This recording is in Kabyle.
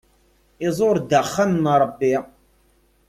Iẓur-d axxam n Ṛebbi.